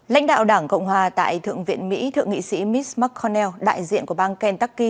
lãnh đạo đảng cộng hòa tại thượng viện mỹ thượng nghị sĩ mits mcconnell đại diện của bang kentucky